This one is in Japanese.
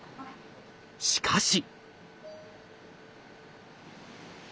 しかし。